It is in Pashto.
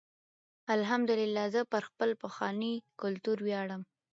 الحمدالله زه پر خپل پښنې کلتور ویاړم.